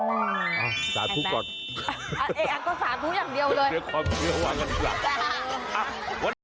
เองก็สาธุอย่างเดียวเลย